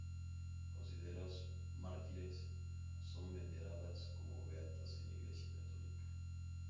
Consideradas mártires, son veneradas como beatas en la Iglesia católica.